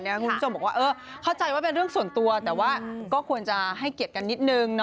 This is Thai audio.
คุณผู้ชมบอกว่าเข้าใจว่าเป็นเรื่องส่วนตัวแต่ว่าก็ควรจะให้เกียรติกันนิดนึง